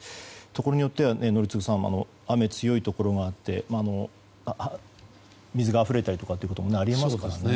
ところによっては、宜嗣さん雨が強いところがあって水があふれたりということもあり得ますからね。